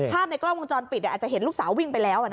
ในกล้องวงจรปิดอาจจะเห็นลูกสาววิ่งไปแล้ว